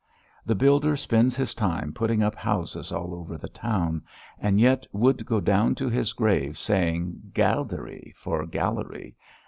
The builder spends his time putting up houses all over the town, and yet would go down to his grave saying "galdary" for "gallery."